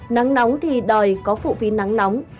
nắng nóng thì đòi có phụ phí nắng nóng